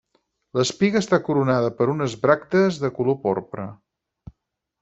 L'espiga està coronada per unes bràctees color porpra.